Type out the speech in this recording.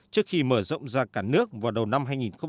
trước khi mở rộng ra cả nước vào đầu năm hai nghìn một mươi tám